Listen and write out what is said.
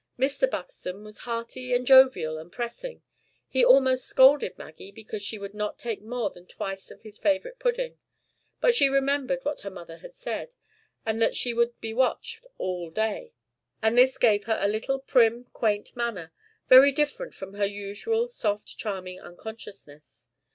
Mr. Buxton was hearty, and jovial, and pressing; he almost scolded Maggie because she would not take more than twice of his favorite pudding: but she remembered what her mother had said, and that she would be watched all day; and this gave her a little prim, quaint manner, very different from her usual soft charming unconsciousness.